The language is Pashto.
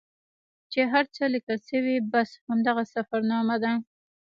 چې هر څه لیکل سوي بس همدغه سفرنامه ده.